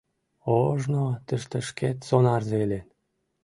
Ожно тыште шкет сонарзе илен.